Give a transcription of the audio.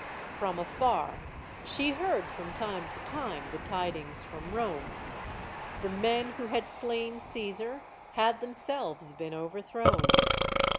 From afar, she heard from time to time the tidings from Rome. The men who had slain Caesar had them selves been overthrown.